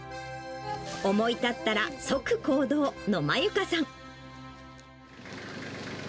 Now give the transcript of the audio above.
思い立ったら即行動のまゆかさん。